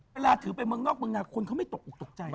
เวลาถือไปเมืองนอกเมืองนาคนเขาไม่ตกออกตกใจ